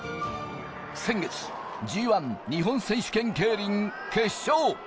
先月、Ｇ１日本選手権競輪・決勝。